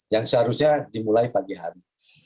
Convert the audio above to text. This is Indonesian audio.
yang seharusnya dimulai pagi hari